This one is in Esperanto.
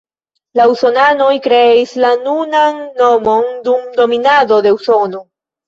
La usonanoj kreis la nunan nomon dum dominado de Usono.